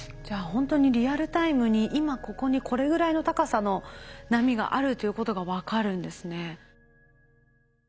じゃあほんとにリアルタイムに今ここにこれぐらいの高さの波があるということが分かるんですね。